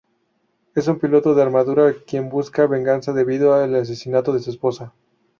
Es un piloto de armadura quien busca venganza debido al asesinato de su esposa.